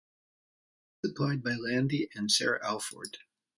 Site supplied by Landy and Sarah Alford.